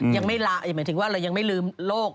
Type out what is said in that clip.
ยังไม่ลาหมายถึงว่าเรายังไม่ลืมโรค